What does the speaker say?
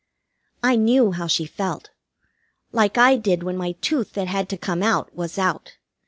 I knew how she felt. Like I did when my tooth that had to come out was out.